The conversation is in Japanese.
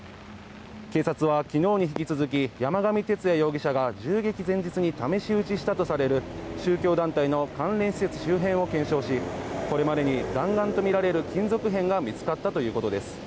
警察は、昨日に引き続き山上徹也容疑者が銃撃前日に試し撃ちしたとされる宗教団体の関連施設周辺を検証しこれまでに弾丸とみられる金属片が見つかったということです。